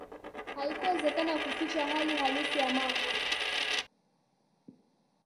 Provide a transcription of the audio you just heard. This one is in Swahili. haikuwezekana kuficha hali halisi ya mambo